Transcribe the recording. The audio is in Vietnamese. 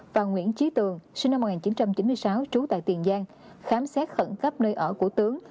và nguyễn trí tường sinh năm một nghìn chín trăm chín mươi sáu trú tại tiền giang khám xét khẩn cấp nơi ở của tướng